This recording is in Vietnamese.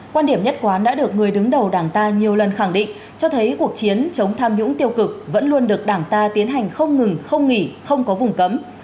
quan điểm nhất quán đã được người đứng đầu đảng ta nhiều lần khẳng định cho thấy cuộc chiến chống tham nhũng tiêu cực vẫn luôn được đảng ta tiến hành không ngừng không nghỉ không có vùng cấm